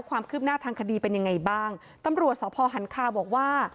ความคืบหน้าทางคดีเป็นยังไงบ้างตำรวจสพหันคาบอกว่า